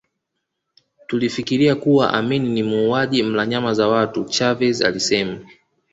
Tulifikiria kuwa Amin ni muuaji mla nyama za watu Chavez alisema